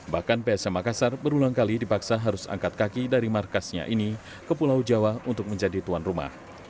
bahkan psm makassar berulang kali dipaksa harus angkat kaki dari markasnya ini ke pulau jawa untuk menjadi tuan rumah